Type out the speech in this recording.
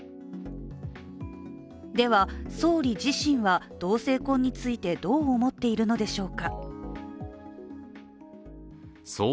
では、総理自身は同性婚についてどう思っているのでしょうか。